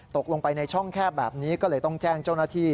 ตกลงไปในช่องแคบแบบนี้ก็เลยต้องแจ้งเจ้าหน้าที่